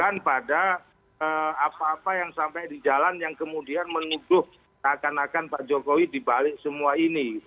bukan pada apa apa yang sampai di jalan yang kemudian menuduh seakan akan pak jokowi dibalik semua ini